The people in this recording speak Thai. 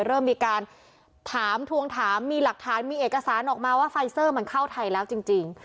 เริ่มมีการถามทวงถามมีหลักฐานมีเอกสารออกมาว่าไฟเซอร์มันเข้าไทยแล้วจริง